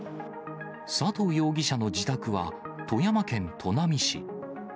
佐藤容疑者の自宅は富山県砺波市。